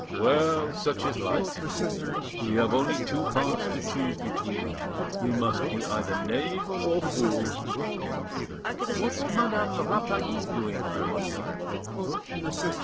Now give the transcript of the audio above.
Well, such is life! We have only two parts to choose between: we must be either knave or fool. What's Madame Rapally doing, I wonder?"